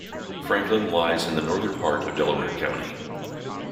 Franklin lies in the northern part of Delaware County.